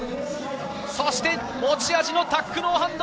持ち味のタックノーハンド！